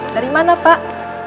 dari mana pak